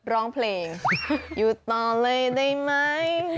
ร้องเพลงหยุดต่อเลยได้ไหม